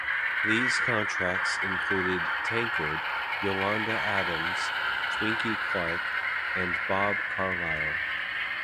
These contracts included Tankard, Yolanda Adams, Twinkie Clark, and Bob Carlisle.